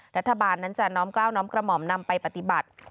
รัฐบาลนั้นจะน้อมกล้าวน้อมกระหม่อมนำไปปฏิบัติ